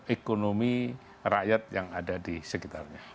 ekonomi rakyat yang ada di sekitarnya